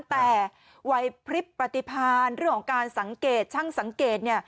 แต่วัยพริบปฏิพาณเรื่องของการสังเกตช่างสังเกต